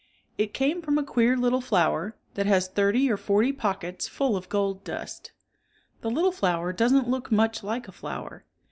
It came from a queer little flower, that has thirty or forty pockets full of gold dust The little flower doesn't look much like a flower.